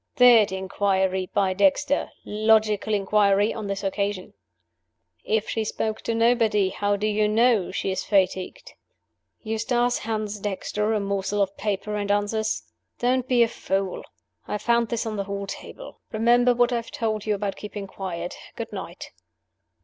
Third inquiry by Dexter (logical inquiry, on this occasion): 'If she spoke to nobody, how do you know she is fatigued?' Eustace hands Dexter a morsel of paper, and answers: 'Don t be a fool! I found this on the hall table. Remember what I have told you about keeping quiet; good night!